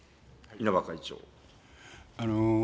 稲葉会長。